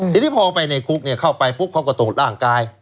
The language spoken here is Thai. ทีนี้พอไปในคุกเข้าไปปุ๊บเขาก็ตรวจร่างกาย